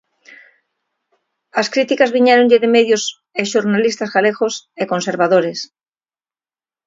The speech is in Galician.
As críticas viñéronlle de medios e xornalistas galegos e conservadores.